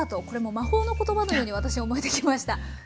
これもう魔法の言葉のように私思えてきました。